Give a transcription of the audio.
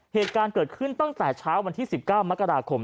เหตุการณ์เกิดขึ้นตั้งแต่เช้าวันที่๑๙มกราคม